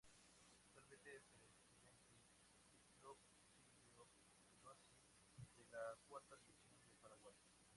Actualmente presidente del club Silvio Pettirossi de la Cuarta División de Paraguay.